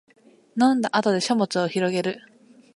飲んだ後で書物をひろげる